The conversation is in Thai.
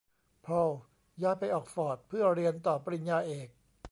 พอลย้ายไปออกฟอร์ดเพื่อเรียนต่อปริญญาเอก